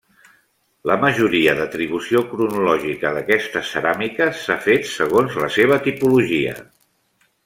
La majoria d'atribució cronològica d'aquestes ceràmiques s'ha fet segons la seva tipologia.